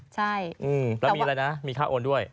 ใช่แล้วมีอะไรนะมีค่าโอนด้วย